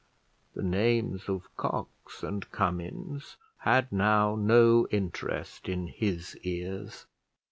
The names of Cox and Cummins had now no interest in his ears.